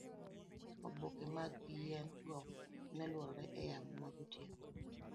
oboke mag yien go neluorore e yamo magotieno